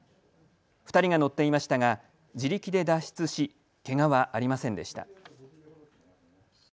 ２人が乗っていましたが自力で脱出し、けがはありませんでした。